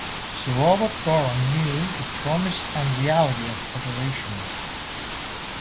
Sir Robert Garran knew the promise and reality of federation.